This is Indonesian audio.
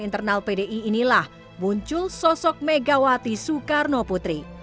internal pdi inilah muncul sosok megawati soekarno putri